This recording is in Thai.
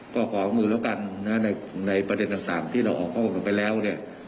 ก็ขอความร่วมมือแล้วกันในประเด็นต่างที่เราออกความร่วมกันไปแล้วเนี่ย